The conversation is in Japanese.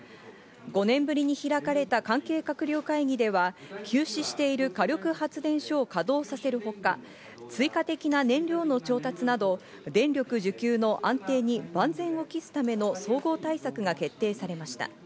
５年ぶりに開かれた関係閣僚会議では休止している火力発電所を稼働させるほか、追加的な燃料の調達など電力需給の安定に万全を期すための総合対策が決定されました。